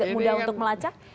mudah untuk melacak